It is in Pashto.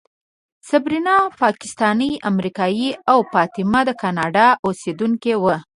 صبرینا پاکستانۍ امریکایۍ او فاطمه د کاناډا اوسېدونکې وه.